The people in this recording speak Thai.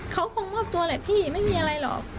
เขาคงมอบตัวแหละพี่ไม่มีอะไรหรอก